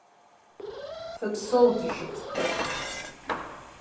Фыпсэу, ди шыпхъухэ!